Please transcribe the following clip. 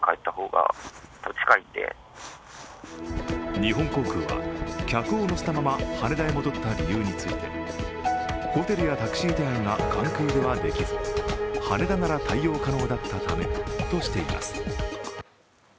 日本航空は客を乗せたまま羽田へ戻った理由についてホテルやタクシー手配が関空ではできず羽田なら対応可能だったためとしています。